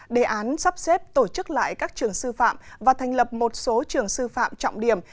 đề án sắp xếp tổ chức lại các trường sư phạm và thành lập một số trường sư phạm trọng điểm